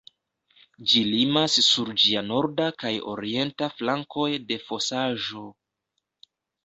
Ĝi limas sur ĝia norda kaj orienta flankoj de fosaĵo.